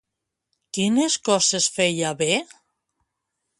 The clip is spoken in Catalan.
Quines coses feia bé?